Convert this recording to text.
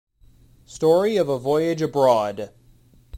Story of a voyage abroad.